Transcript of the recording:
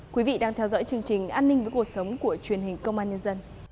quý vị đang theo dõi chương trình an ninh với cuộc sống